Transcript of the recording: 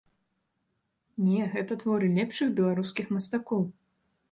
Не, гэта творы лепшых беларускіх мастакоў.